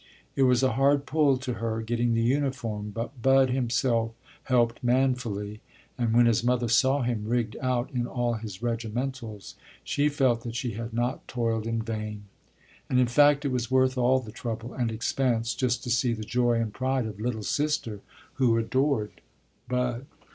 It was a hard pull to her, getting the uniform, but Bud himself helped manfully, and when his mother saw him rigged out in all his regimentals, she felt that she had not toiled in vain. And in fact it was worth all the trouble and expense just to see the joy and pride of "little sister," who adored Bud.